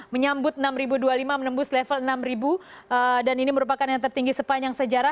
menyambut enam ribu dua puluh lima menembus level enam ribu dan ini merupakan yang tertinggi sepanjang sejarah